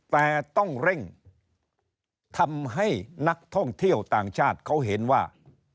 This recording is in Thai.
แต่ต้องเร่งทำให้นักท่องเที่ยวต่างชาติเขาเห็นว่า